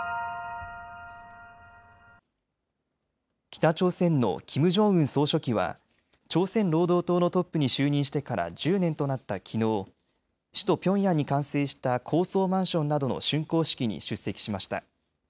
北朝鮮のキム・ジョンウン総書記は朝鮮労働党のトップに就任してから１０年となったきのう、首都ピョンヤンに完成した高層マンションなどのしゅんこう式に出席しました。